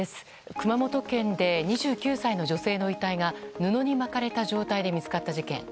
熊本県で２９歳の女性の遺体が布に巻かれた状態で見つかった事件。